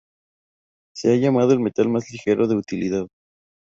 Se le ha llamado el metal más ligero de utilidad.